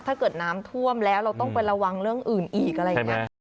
ถ้าเกิดน้ำท่วมแล้วเราต้องไประวังเรื่องอื่นอีกอะไรอย่างนี้